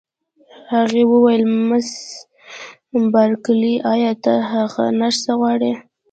هغې وویل: مس بارکلي، ایا ته هغه نرسه غواړې؟